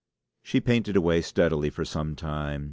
'" She painted away steadily for some time.